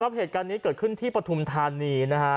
เหตุการณ์นี้เกิดขึ้นที่ปฐุมธานีนะฮะ